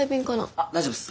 あっ大丈夫っす。